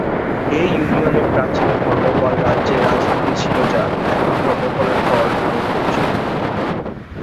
এ ইউনিয়নে প্রাচীন ধর্মপাল রাজ্যের রাজধানী ছিল যা এখন ধর্মপালের গড় নামে পরিচিতি।